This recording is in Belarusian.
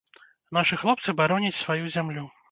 Нашы хлопцы бароняць сваю зямлю.